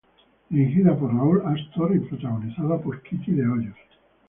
Dirigida por Raúl Astor y protagonizada por Kitty de Hoyos.